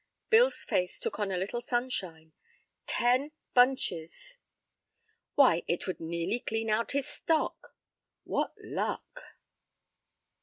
Bill's face took on a little sunshine. Ten bunches! Why, it would nearly clean out his stock. What luck!